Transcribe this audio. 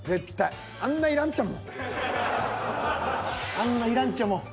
「あんないらんっちゃもん」。